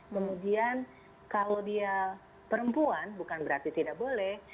kemudian kalau dia perempuan bukan berarti tidak boleh